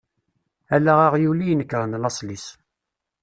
Ala aɣyul i inekren lasel-is.